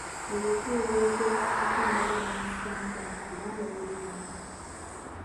Ebika ebyogerwako nga binnansangwa mu Buganda biri bimeka?